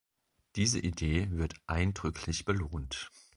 Diese Idee wird eindrücklich belohnt.